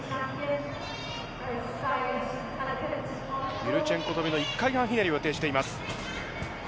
ユルチェンコ跳びの１回半ひねりを予定しています。